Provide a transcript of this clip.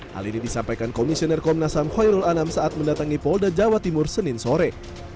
hal ini disampaikan komisioner komnas ham hoirul anam saat mendatangi polda jawa timur senin sore